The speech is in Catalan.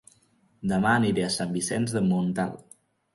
Dema aniré a Sant Vicenç de Montalt